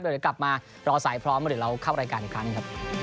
เดี๋ยวเดี๋ยวกลับมารอสายพร้อมเดี๋ยวเราเข้ารายการอีกครั้ง